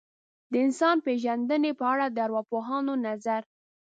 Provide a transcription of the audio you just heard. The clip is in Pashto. د انسان پېژندنې په اړه د ارواپوهانو نظر.